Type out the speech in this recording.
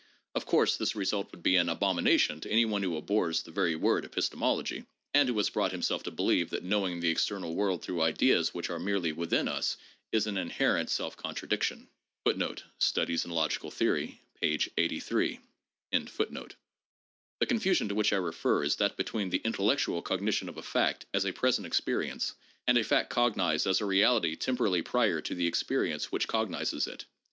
Of course, this result would be an abomination to any one who abhors the very word epistemology, and who has brought himself to believe that "knowing the external world through ideas which are merely within us is "" an inherent self contradiction." 1 The confusion to which I refer is that between the intellectual cognition of a fact, as a present experience, and a fact cognized as a reality temporally prior to the experience which cognizes it.